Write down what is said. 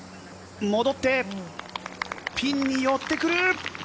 戻って、ピンに寄ってくる。